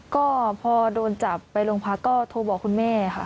ก็พอโดนจับไปโรงพักก็โทรบอกคุณแม่ค่ะ